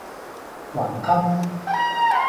餛飩